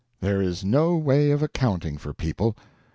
There is no way of accounting for people.